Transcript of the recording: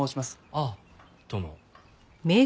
あっどうも。